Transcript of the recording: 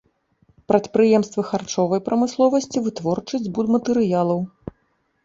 Прадпрыемствы харчовай прамысловасці, вытворчасць будматэрыялаў.